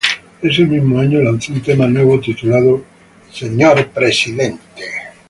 Ese mismo año lanzó un tema nuevo, titulado "Señor Presidente".